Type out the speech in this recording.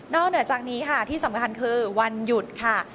เหนือจากนี้ค่ะที่สำคัญคือวันหยุดค่ะ